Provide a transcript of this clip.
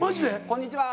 「こんにちは！」